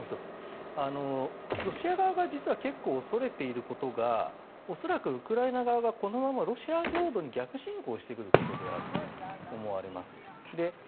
ロシア側が実は結構恐れていることがウクライナ側がこのままロシア領土に逆侵攻してくることであると思われます。